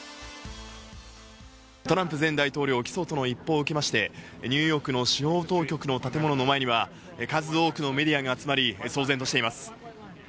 トランプ前大統領起訴との一報を受けまして、ニューヨークの司法当局の建物の前には、数多くのメディアが集まり、騒然としています。